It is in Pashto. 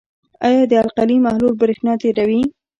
آیا د القلي محلول برېښنا تیروي؟